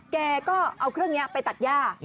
แกก็เอาเครื่องนี้ไปตัดย่า